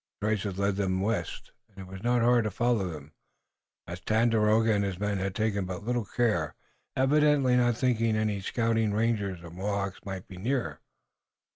The traces led toward the west, and it was not hard to follow them, as Tandakora and his men had taken but little care, evidently not thinking any scouting rangers or Mohawks might be near.